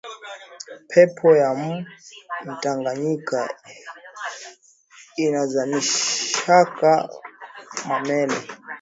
Pepo ya mu tanganyika inazamishaka ma meli